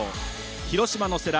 広島の世羅